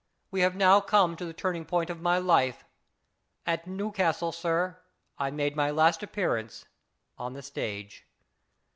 We have now come to the turning point of my life. At New castle, sir, I made my last appearance on the stage."